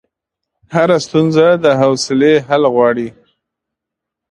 هره ستونزه د حوصلې حل غواړي.